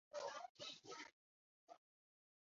双方关系呈现紧张态势。